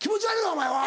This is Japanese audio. お前は。